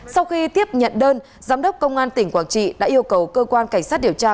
sau khi tiếp nhận đơn giám đốc công an tỉnh quảng trị đã yêu cầu cơ quan cảnh sát điều tra